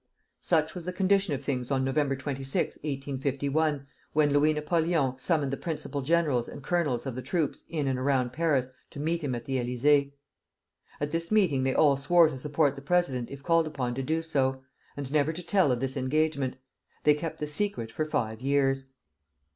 Such was the condition of things on Nov. 26, 1851, when Louis Napoleon summoned the principal generals and colonels of the troops in and around Paris to meet him at the Élysée. At this meeting they all swore to support the president if called upon to do so, and never to tell of this engagement. They kept the secret for five years.